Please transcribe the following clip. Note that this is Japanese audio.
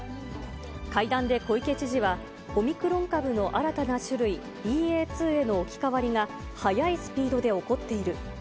会談で小池知事は、オミクロン株の新たな種類、ＢＡ．２への置き換わりが、速いスピードで起こっている。